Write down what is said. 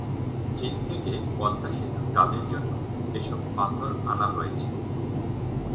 চীন থেকে পদ্মা সেতুর কাজের জন্য এসব পাথর আনা হয়েছে।